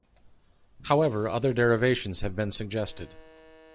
However, other derivations have been suggested.